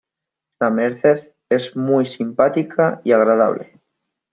La Merced es muy simpática y agradable.